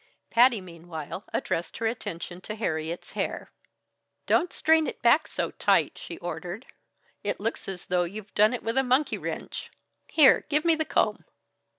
Patty meanwhile addressed her attention to Harriet's hair. "Don't strain it back so tight," she ordered. "It looks as though you'd done it with a monkey wrench. Here! Give me the comb."